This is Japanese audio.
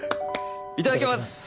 いただきます！